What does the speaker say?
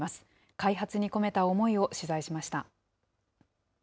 開発に込めた思いを取材しました。